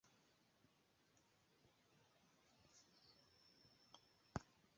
En sia taglibro Harriet skribis pri siaj sentoj pri la milito.